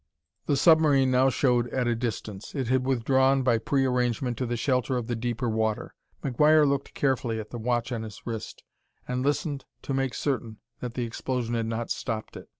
The submarine now showed at a distance; it had withdrawn, by prearrangement, to the shelter of the deeper water. McGuire looked carefully at the watch on his wrist, and listened to make certain that the explosion had not stopped it.